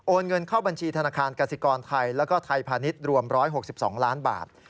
เงินเข้าบัญชีธนาคารกสิกรไทยแล้วก็ไทยพาณิชย์รวม๑๖๒ล้านบาท